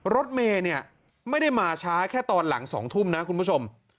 รถเมย์เนี่ยไม่ได้มาช้าแค่ตอนหลัง๒ทุ่มนะคุณผู้ชม